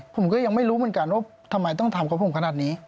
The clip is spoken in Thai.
ผมก็ยังไม่รู้เหมือนกันว่าทำไมต้องทำกับผมขนาดนี้